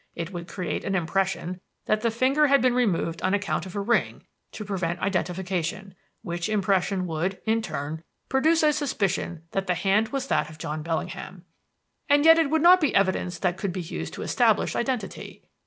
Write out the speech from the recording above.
It would create an impression that the finger had been removed on account of a ring, to prevent identification; which impression would, in turn, produce a suspicion that the hand was that of John Bellingham. And yet it would not be evidence that could be used to establish identity.